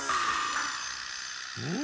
うん？